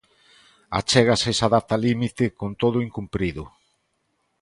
Achégase esa data límite con todo incumprido.